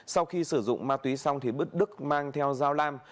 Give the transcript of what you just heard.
sau khi sử dụng ma túy xong thì bức đức mang theo giao lam